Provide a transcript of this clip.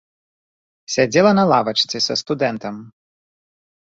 Сядзела на лавачцы са студэнтам.